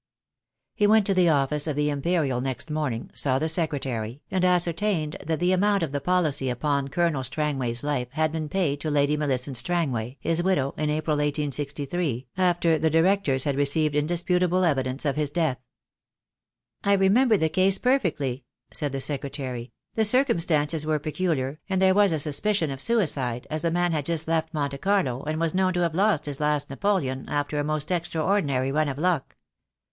He went to the office of the Imperial next morning, saw the secretary, and ascertained that the amount of the policy upon Colonel Strangway 's life had been paid 202 THE DAY WILL COME. to Lady Millicent Strangway, his widow, in April, 1863, after the directors had received indisputable evidence of his death. "I remember the case perfectly," said the secretary. "The circumstances were peculiar, and there was a sus picion of suicide, as the man had just left Monte Carlo, and was known to have lost his last napoleon, after a most extraordinary run of luck.